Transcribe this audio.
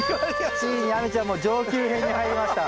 ついに亜美ちゃんも上級編に入りました。